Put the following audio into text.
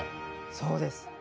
そうです。